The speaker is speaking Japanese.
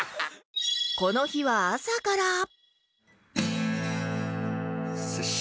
この日は朝から